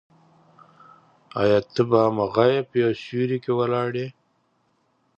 آیا ته به هم هغه یې په یو سیوري کې ولاړ یې.